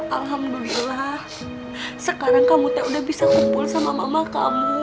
alhamdulillah sekarang kamu udah bisa kumpul sama mama kamu